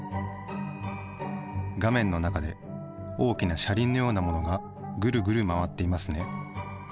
画面の中で大きな車輪のようなものがぐるぐる回っていますね。